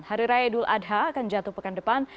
hari raya idul adha akan jatuh pekan depan